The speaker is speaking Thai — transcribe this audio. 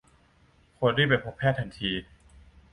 ควรรีบไปพบแพทย์ทันที